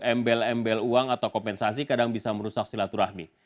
embel embel uang atau kompensasi kadang bisa merusak silaturahmi